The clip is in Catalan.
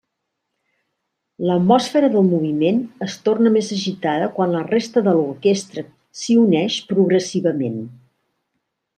L'atmosfera del moviment es torna més agitada quan la resta de l'orquestra s'hi uneix progressivament.